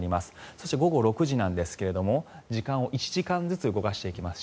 そして午後６時ですが、時間を１時間ずつ動かしていきます。